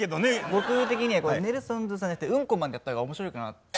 僕的にはネルソンズさんじゃなくて「うんこマン」でやった方が面白いかな。